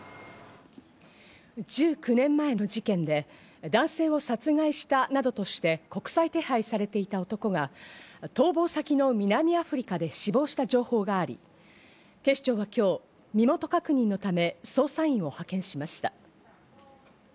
１９年前の事件で男性を殺害したなどとして国際手配されていた男が逃亡先の南アフリカで死亡した情報があり、警視庁は今日、身元確認のため捜査員を派遣しました。